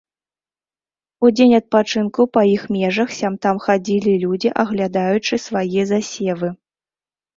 У дзень адпачынку па іх межах сям-там хадзілі людзі, аглядаючы свае засевы.